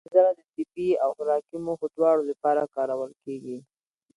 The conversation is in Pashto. سنځله د طبي او خوراکي موخو دواړو لپاره کارول کېږي.